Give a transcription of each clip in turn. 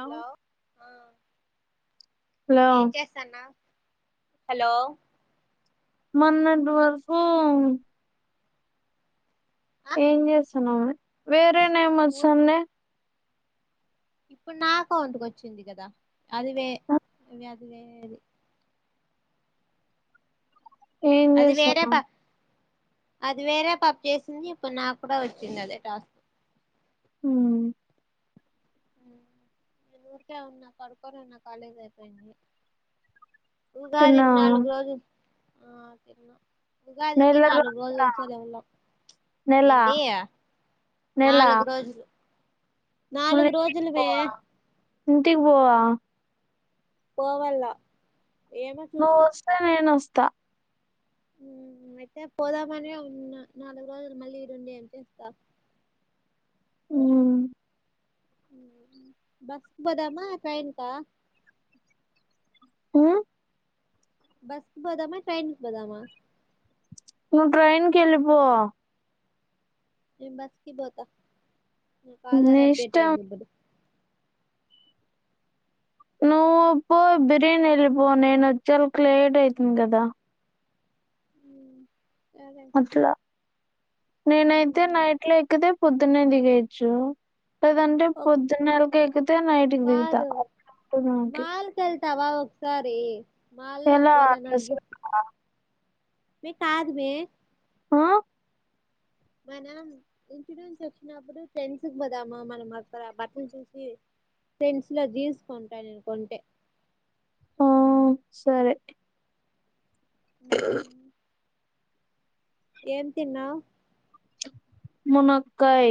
Hello hello ఏం చేస్తాన్న hello మన్నడు వర్ ఫ ఆ ఏం చేస్తాన్నా వేరేనా ఊర్ మసే ఇప్పుడు నాక ఒంటక వచ్చింది కదా అది వే అవి అది వేది ఏం అది వేరే చేస్తాను ప అది వేరే పప్పు చేసింది ఇప్పుడు నాకు కూడా వచ్చింది అదే టాస్ హ నేను ఊరికే ఉన్నా కడుకొర ఉ నా కాలేజ్ అయిపోయింది ఉగాది ఇపు తిన్నావా నాలుగు రోజు ఆ తినన్నా ఉగాదికి నెల నాలుగు రోజులా రోజులు సలవుల నెల ఏంటి నెల నాలుగు రోజులు మళ్ళీ నాలుగు ఇంటికి రోజులు మే పోవా ఇంటికి పోవా పోవాల నస్తే నేన వస్తే కుత్త అయితే పోదామని ఉన్న నాలుగు రోజులు మళ్ళీ వరుండి అనిస్తా అ బస్ పోదమా ట్రెన్కా హ బస్ పోదామా ట్రైన్కి పోదమా ను ట్రైన్కి వెళ్ళిపో బస్కి బోత నాకు ఆధార నీ అప్టేట్ ఇష్టం అయిందిప్పుడు నువ్ప్పు బిర్యానీలి పోవ నేను వచ్చ చల్ క లేట్ అయితన గదా ఉమ్, సరే అట్లా నేనైతే ఉమ్, నైట్ లో ఎక్కితే పద్దునేదిగయిచ్చు లేదంటే ఓ పొద్దున్నెలకి ఎక్కితే నైట్కిి దిగుతాకి తవా ఒకసారి మాల్లో ఎలా మ కాదు మే ఆ మనం ఇడూస్ వచ్చినప్పుడు ఫ్రెండ్స్ పోదామా మనం అక్కడ బట్టలు చూసి ఫ్రెండ్స్ లో తీసుకుంటానును కొంటే ఆ సరే స ఉమ్, ఏం తిన్నావు మునక్కై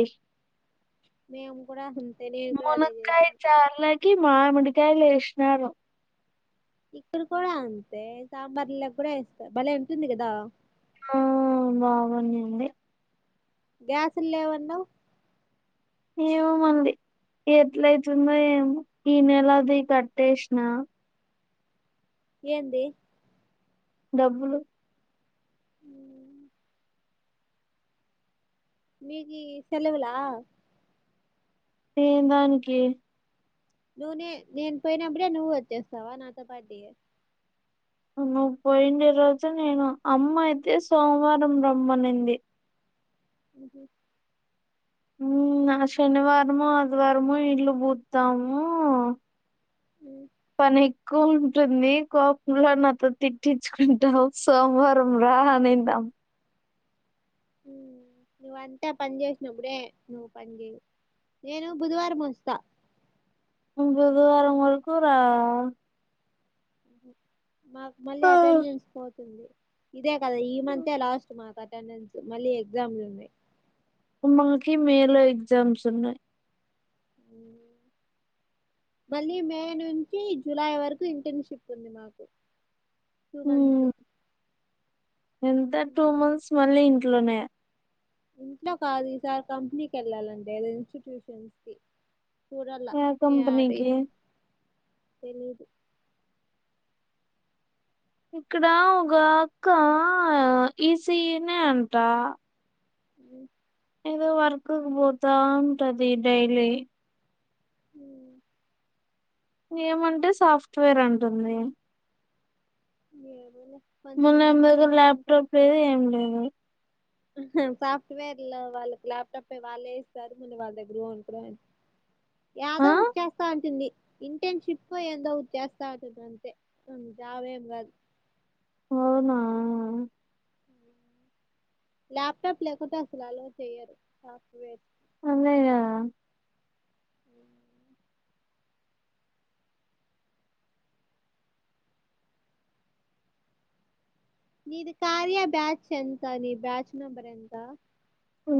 మేము కూడా నేను కూడా మన అదే కాయ చేసిన చ అల ఎ మామిడికాయషణ ఇక్కడ కూడా అంతే సాంబార్లా కూడా వేస్తా భలే ఉంటుంది కదా ఆ బాగున్నాండి గ్యాసు లేవన్నావు ఏమో మళ్ళీ ఎట్లైతుందో ఏంో ఈ నెలది కట్టేసిన ఏంది డబ్బులు ఉమ్ మీది సెలవులా ఏదానికి నువ్ నే నేను పోయినప్పుడే నువ్వు వచ్చేస్తావా నాతో పాటి నువ్వు పోయిండే రోజు నేను అమ్మ అయితే సోమవారం రమ్మనింది ఉహూ ఉమ్ ఆ శనివారము ఆదివారము ఇల్లు పూతాము మ్మ్. పని ఎక్కువ ఉంటుంది కోపం లో నాతో తిట్టించుకుంటాము సోమవారం రా అనింది అమ్మ ఉమ్ నువ్వంతా పని చేసినప్పుడే నువ్వు పని చేయవు నేను బుధవారం వస్తా బుధవారం వరకు రా ఉహూ మాకు మళ్ళీ ఆ, అటెండెన్స్ పోతుంది ఇదే దా ఈ మంత్ ఏ లాస్ట్ మాకు అటెండెన్స్ మళ్ళీ ఎగ్జామ్లు ఉన్నాయి మాకి మేలో ఎగ్జామ్స్ ఉన్నాయి ఉమ్ మళ్ళీ మే నుంచి జూలై వరకు ఇంటర్న్షిప్ ఉంది మాకు టూ మంత్స్ ఉమ్ ఎంత టూ మంత్స్ మళ్ళ ఇ ఇంట్లోనే ఇంట్లో కాదు ఈసారి కంపెనీకి వెళ్ళాలంటేదో ఇన్స్టిట్యూషన్స్ కి చూడాల యా కంపెనీ యాడి కి తెలీదు ఇక్కడ ఒకఅక్క ఈసీఏనే అంటా ఉమ్ ఏదో వర్క్ కు పోతా ఉంటది డైలీ ఉమ్ ఏమంటే సాఫ్ట్వేర్ అంటుంది ఏదోలే మన దగ్గర ల్యాప్టాప్ లేదు ఏం లేదు సాఫ్ట్వేర్ లో వాళ్ళకి ల్యాప్టాప్ వాళ్లే ఇస్తారు మన వాళ్ళ దగ్గర కోనుకు అ ఆ యాదో బుక్చేస్తా అంటుంది ఇంటర్న్షిప్ ఏందో చేస్తా అంటుంది అంతే జాబ్ ఏం కాదు అవునా ల్యాప్టాప్ లేకుపోతే అసలు అలో చెయ్యరు సాఫ్ట్వేర్ అన్నయ నీది కార్య బ్యాచ్ ఎంత నీ బ్యాచ్ నెంబర్ ఎంత ఆ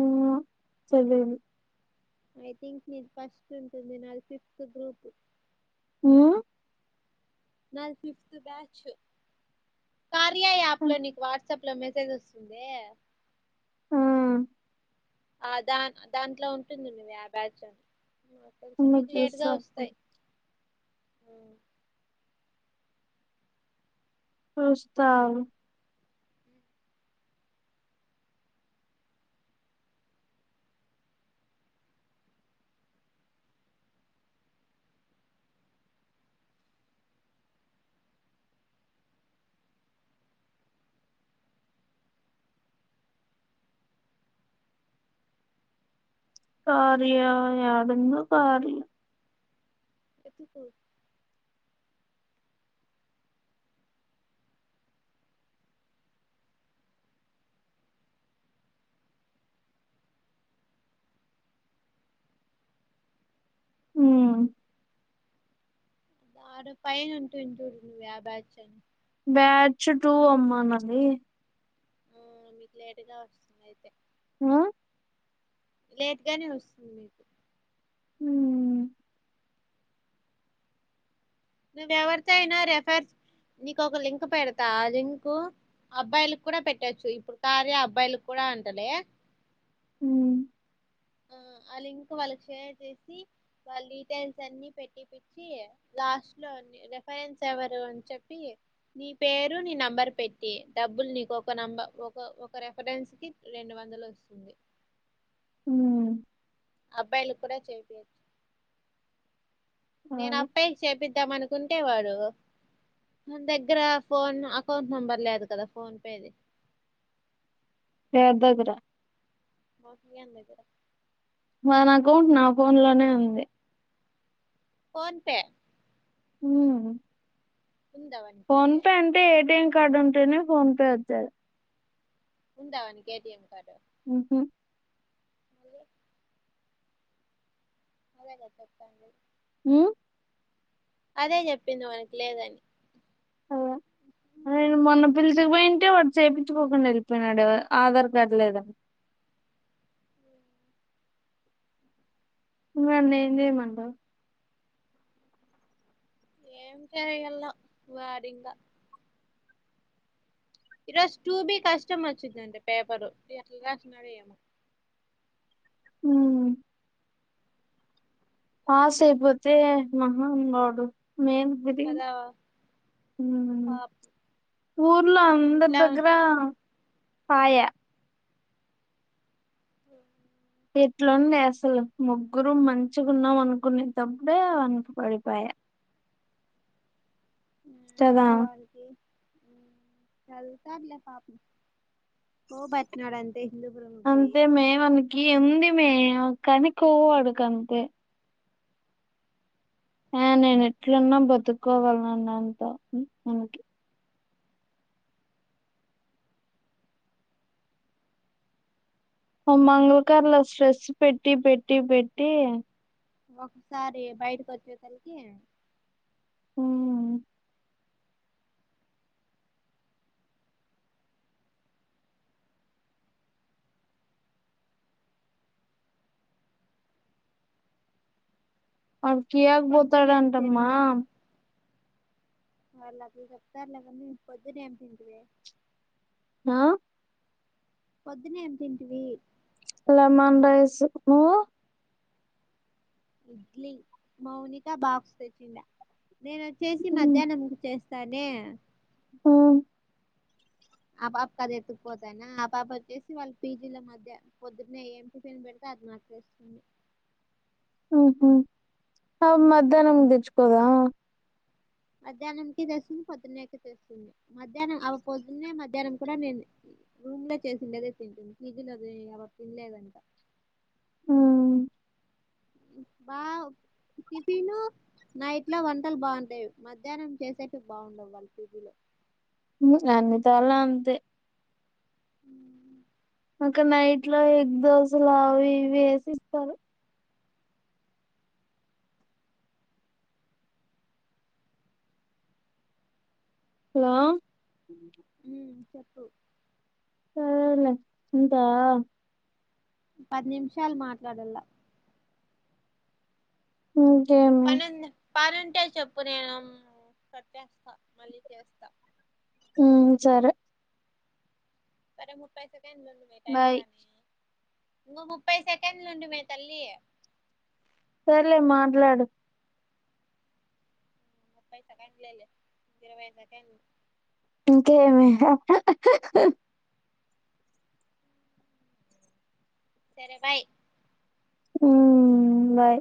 సెవెన్ ఐ థింక్ నీది ఫస్ట్ ఉంటుంది నాది ఫిఫ్త్ గ్రూప్ ఉమ్ నాది ఫిఫ్త్ బ్యాచ్ కార్య యాప్ లో నీకు వాట్సప్ ట్లో మెసేజ్ వస్తుందే ఆ ఆ దా దాంట్లో ఉంటుంది నీది యా బ్యాచో నాక్ తెలిసి ఉండు మీకు లేట్గా చూస్తా వస్తాయి. ఊ వస్తా కార్య యాదన్న కారి ఎతుకు ఊ ఆడ పైన ఉంటుంద్ చుడు నువ్ యా బ్యాచ్ అని బ్యాచ్ టూ అమ్మ నది ఊ మీకు లేట్గా వస్తుంది అయితే ఆ లేట్గానే వస్తుంది మీకు ఉమ్ నువ్వ ఎవరితో అయినా రెఫర్, నీకు ఒక లింక్ పెడతా ఆ లింకు అబ్బాయిలకి కూడా పెట్టొచ్చు. ఇప్పుడు కార్య అబ్బాయిల కూడా అంటలే. ఉమ్ అ ఆ లింక్ వాళ్ళకి షేర్ చేసి, వాళ్ళ డీటెయిల్స్ అన్ని పెట్టిపిచ్చి, లాస్ట్లో రెఫరెన్స్ ఎవరు అని చెప్పి, నీ పేరు నీ నెంబర్ పెట్టి, డబ్బులు నీకు ఒక నంబర్ ఒక ఒక రెఫరెన్స్కి రెండు వందలు వస్తుంది. ఊ అబ్బాయిలు కూడ చేపియో నేను అది అబ్బాయికి చేపిద్దాం అనుకుంటే వాడు నా దగ్గర ఫోన్ అకౌంట్ నంబర్ లేదు కదా ఫోన్ పేది ఎవర్ దగరా వంశీ గాని దగ్గర మన అకౌంట్ నా ఫౌన్లోనే ఉంది. ఫోన్పే ఊ వానికి ఫోన్ పే అంటే ఏటి కడుంటేనే ఫోన్ పే వచ్చే ఉందా వానికి ఏటిఎం కార్డు? ఉహు మల్ ఏ అదేగ చెప్తాంది ఉ అదే చెప్పింది వానికి లేదని ఆ నేను మొన్న పిల్చుకు పోయింటే వాడు చేపిచుకోకుండా వెళ్ళిపోయినాడు. ఆధార్ కార్డు లేదన్ నన్నేం చేయమంటవ్? ఏం చేయల్లో వాడింగ ఈ రోజు టూ బి కష్టం వచ్చిందంట పేపరు. ఎట్ల రాసినాడో ఏమో. ఉమ్ పాస్ అయిపోతే మహా వాడు మేల్ బుడి కదా ఊ పాపం ఊర్లో అందర్ ఇంట్లో దగ్గర పాయ హు ఎట్లుండ అసలు ముగ్గురు మంచిగున్నాం అనుకునేటప్పుడే అన్ పడిపాయా. ఊ కదా అయిన వాడికి ఉ చదువుతాడ్లే పాపం కోవ్ పట్నాడన్ అంతే మే మనకి ఎందుంది మే కానీ కొవ్వు వాడుకి అంతే ఆ నేను ఎట్లున్నా బతుకోవాలన్నంత వాణికి ఆ మంగళకర్రలో స్ట్రెస్ పెట్టి పెట్టి పెట్టి ఒకసారి బయటకి వచ్చే తలికి ఉమ్, వాడు కియా కి పొద్దున ఏం పోతాడంటమ్మా వాళ్లకి చెప్తారులే కానీ నువ్ పొద్దునే ఏం తింటివి ఆహ్ పొద్దునే ఏం తింటివి లెమన్ రైస్ నువ్వు ఇడ్లీ మౌనిక బాక్స్ తెచ్చిండా నేను వచ్చేసి మధ్యాహ్నం చేస్ సరే ఆ ఆ పాప కి అది ఎత్తుకుపోతాయినా ఆ పాప వచ్చేసి వాళ్ళ పీజీల మధ్య పొద్దునే ఏం టిఫిన్ పెడితే అది మార్చేస్తుంది. ఉహ్ అయమ్మ మధ్యాహ్నం తెచ్చుకోదా మధ్యాహ్నంకి తెస్తుంది పొద్దున్నేకి తెస్తుంది మధ్యాహ్నం అ పొద్దున్న మధ్యాహ్నం కూడా నేను రూమ్ లో చేసిండేదే తింటుంది ఫీజలోది ఆ పాపా తిన్లేదంట ఉహ్ బా టిఫీను నైట్ లో వంటలు బాగుంటాయి మధ్యాహ్నం చేసేటీవీ బాగుండవు వాళ్ళు పీజీ లో ఆహ్ అన్నీ తావుల అంతే ఆహ్ ఇకా నైట్ లో ఎగ్ దోశలు అవి ఇవి వేసిస్తారు హలో ఆ చెప్పు సరేలే ఇంతే పది నిమిషాలు మాట్లాడల్లా నీక్ ఇంకేమి పని ఉంది ఎమో పని ఉంటే చెప్పు నేను వస్తా ఉహ్ సరే సరే ముప్పై తేది నొప్ నువ్వే టైం బాయ్ కానీ నువ్వు ముప్పై సెకండ్లు ఉండు మే తల్లి సరలే మాట్లాడు ముప్పై సెకండ్లే ఇరవై సెకండ్లు ఇంకేమీ ఆహ్ సరే బాయ్ ఉహ్ బాయ్